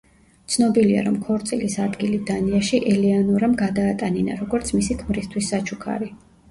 ცნობილია, რომ ქორწილის ადგილი დანიაში ელეანორამ გადაატანინა, როგორც მისი ქმრისთვის საჩუქარი.